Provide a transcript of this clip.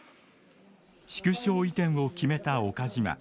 縮小移転を決めた岡島。